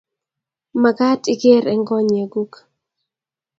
Magaat igeer eng konyeguk